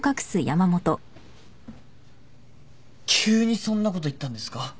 急にそんなこと言ったんですか？